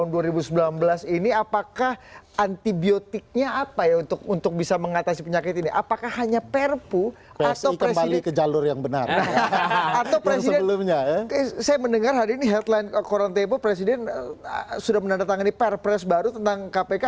nah saat lain koronatepo presiden sudah menandatangani prpres baru tentang kpk